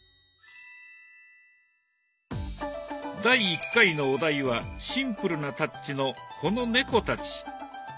第１回のお題はシンプルなタッチのこの猫たち。